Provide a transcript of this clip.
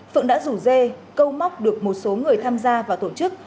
phượng đã rủ dê câu móc được một số người tham gia vào tổ chức